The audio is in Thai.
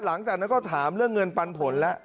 หลังจากนั้นก็ถามเรื่องเงินปันผลแล้ว